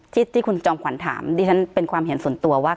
ที่คุณจอมขวัญถามดิฉันเป็นความเห็นส่วนตัวว่า